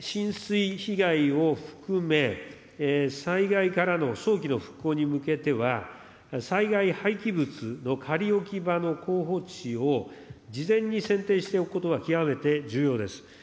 浸水被害を含め、災害からの早期の復興に向けては、災害廃棄物の仮置き場の候補地を、事前に選定しておくことは極めて重要です。